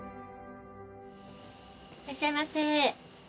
いらっしゃいませ。